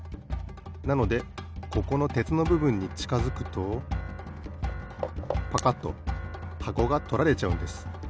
なのでここのてつのぶぶんにちかづくとパカッとはこがとられちゃうんです。